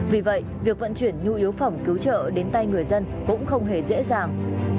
vì vậy việc vận chuyển nhu yếu phẩm cứu trợ đến tay người dân cũng không hề dễ dàng